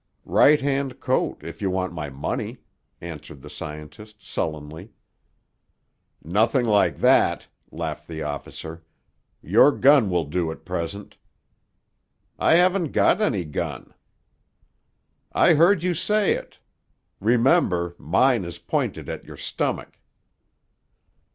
"Right hand coat, if you want my money," answered the scientist sullenly. "Nothing like that," laughed the officer. "Your gun will do, at present." "I haven't got any gun." "I heard you say it! Remember, mine is pointed at your stomach."